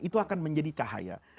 itu akan menjadi cahaya